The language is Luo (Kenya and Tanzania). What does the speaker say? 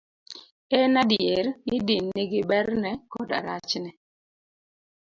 En adier ni din nigi berne koda rachne.